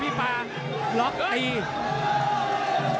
ต้องถามสัจใจน้อย